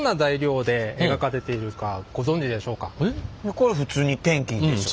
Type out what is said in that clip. これ普通にペンキでしょ？